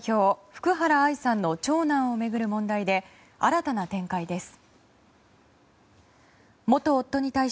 福原愛さんの長男を巡る問題で新たな展開です。